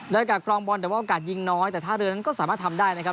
โดยการกรองบอลแต่ว่าโอกาสยิงน้อยแต่ท่าเรือนั้นก็สามารถทำได้นะครับ